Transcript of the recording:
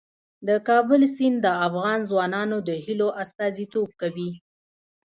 د کابل سیند د افغان ځوانانو د هیلو استازیتوب کوي.